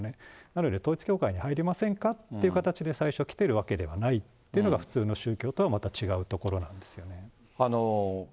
なので、統一教会に入りませんかという形で最初は来てるわけではないっていうのが、普通の宗教とはまた違うところなんですよね。